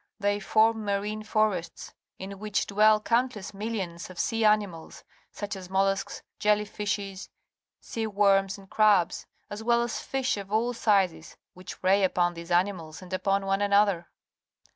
They form marine forests, in which dwell countless millions of sea animals, such as molluscs, jelly fishes, sea worms, and crabs, as well as fish of all sizes which prey upon these animals and upon one another.